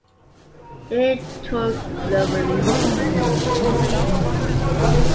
Neal toured globally.